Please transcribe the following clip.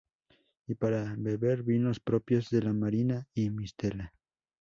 Y para beber, vinos propios de la Marina y mistela.